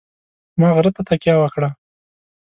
ما غره ته تکیه وکړه.